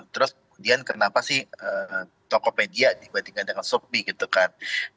terus kemudian kenapa sih tokopedia dibandingkan dengan sopi gitu kan